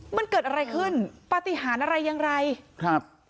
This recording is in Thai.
มันเกิดอะไรขึ้นปฏิหารอะไรอย่างไรครับ